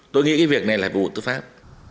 tôi nghĩ cái việc này là vụ tư pháp